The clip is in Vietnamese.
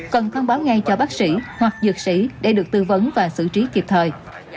cần thông báo ngay cho bác sĩ hoặc dược sĩ để được tư vấn và xử trí kịp thời